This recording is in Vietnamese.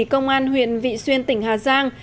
công an huyện vị xuyên tỉnh hà giang